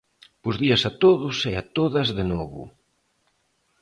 Bos días a todos e a todas de novo.